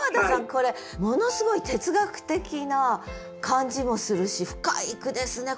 これものすごい哲学的な感じもするし深い句ですね